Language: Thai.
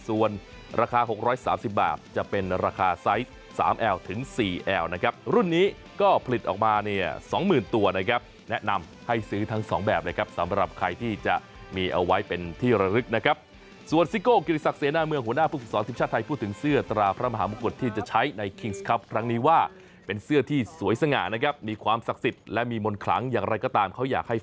วันนี้ก็ผลิตออกมาเนี่ย๒๐๐๐๐ตัวนะครับแนะนำให้ซื้อทั้งสองแบบนะครับสำหรับใครที่จะมีเอาไว้เป็นที่ระลึกนะครับส่วนซิโก่กิริสักเซนาเมืองหัวหน้าภูมิสอนศิษยาไทยพูดถึงเสื้อตราพระมหามกุฎที่จะใช้ในคิงส์ครับครั้งนี้ว่าเป็นเสื้อที่สวยสง่านะครับมีความศักดิ์สิทธิ์และมีมนต์ข